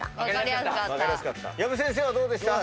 薮先生はどうでした？